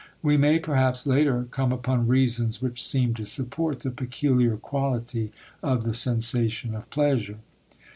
We may perhaps later come upon reasons which seem to support the peculiar quality of the sensation of pleasure.